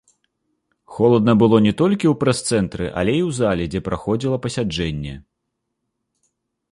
Холадна было не толькі ў прэс-цэнтры, але і ў зале, дзе праходзіла пасяджэнне.